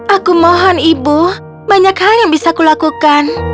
aku mohon ibu banyak hal yang bisa kulakukan